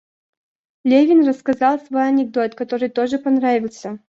Левин рассказал свой анекдот, который тоже понравился.